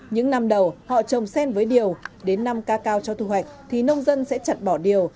những năm đầu họ trồng sen với điều đến năm ca cao cho thu hoạch thì nông dân sẽ chặt bỏ điều